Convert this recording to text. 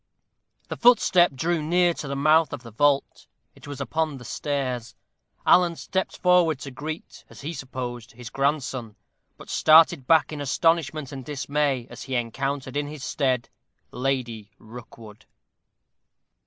The footstep drew near to the mouth of the vault it was upon the stairs. Alan stepped forward to greet, as he supposed, his grandson, but started back in astonishment and dismay as he encountered in his stead Lady Rookwood.